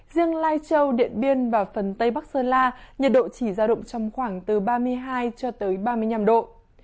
riêng lai châu điện biên và phần tây bắc sơn la nhiệt độ chỉ giao động trong khoảng từ ba mươi hai cho tới ba mươi năm độ